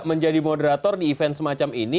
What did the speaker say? menjadi moderator di event semacam ini